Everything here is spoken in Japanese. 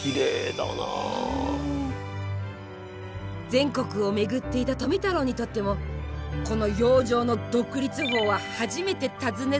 全国を巡っていた富太郎にとってもこの洋上の独立峰は初めて訪ねる土地でした。